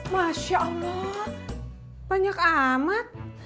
masya allah banyak amat